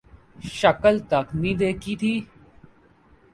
شکل تک نہیں دیکھی تھی